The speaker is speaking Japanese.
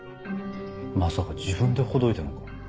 まさか自分でほどいたのか？